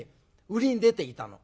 売りに出ていたの。